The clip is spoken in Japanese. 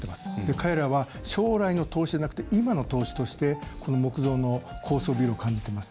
彼らは、将来の投資じゃなくて今の投資としてこの木造の高層ビルを感じてます。